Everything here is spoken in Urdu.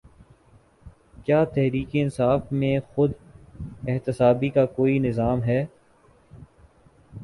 کیا تحریک انصاف میں خود احتسابی کا کوئی نظام ہے؟